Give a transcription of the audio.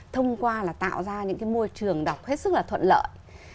thông qua là tạo ra những môi trường đọc hết sức là thuận lợi